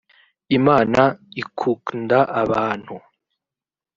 imana ikuknda abantu